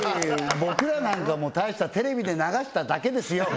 僕らなんかもう大したテレビで流しただけですよ